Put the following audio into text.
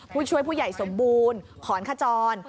ผู้ช่วยผู้ใหญ่สมบูรณ์ขอนขจร